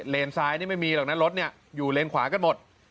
เลนซ้ายนี่ไม่มีหรอกนะรถเนี่ยอยู่เลนขวากันหมด